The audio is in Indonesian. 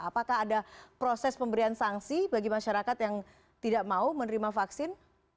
apakah ada proses pemberian sanksi bagi masyarakat yang tidak mau menerima vaksin